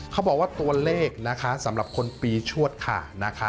เขาบอกว่าตัวเลขสำหรับคนปีชวดค่ะ